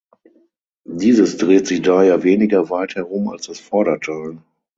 Dieses dreht sich daher weniger weit herum als das Vorderteil.